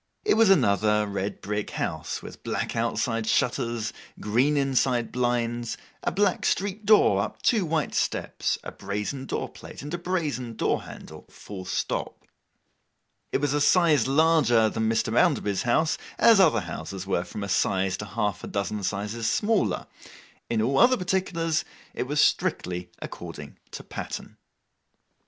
It was another red brick house, with black outside shutters, green inside blinds, a black street door up two white steps, a brazen door plate, and a brazen door handle full stop. It was a size larger than Mr. Bounderby's house, as other houses were from a size to half a dozen sizes smaller; in all other particulars, it was strictly according to pattern.